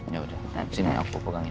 yaudah sini aku pegangin